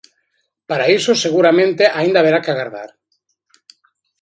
Para iso, seguramente, aínda haberá que agardar.